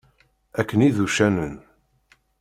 Akken i d uccanen.